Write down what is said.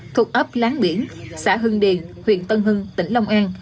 thuộc ấp láng biển xã hưng điền huyện tân hưng tỉnh long an